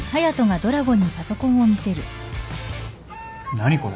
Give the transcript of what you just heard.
何これ？